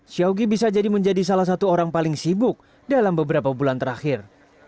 syawgi bisa jadi menjadi salah satu orang paling sibuk dalam beberapa bulan terakhir